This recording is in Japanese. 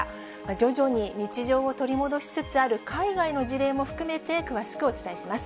徐々に日常を取り戻しつつある海外の事例も含めて詳しくお伝えします。